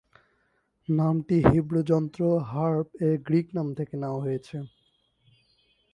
নামটি হিব্রু যন্ত্র হার্প-এর গ্রিক নাম থেকে নেয়া হয়েছে।